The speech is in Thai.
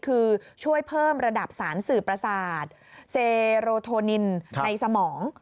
คือช่วยเพิ่มระดับสารสื่อประสาทเซโรโทนินในสมอง